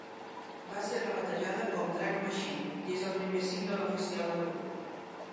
Va ser rebatejada com "Drug Machine" i és el primer single oficial del grup.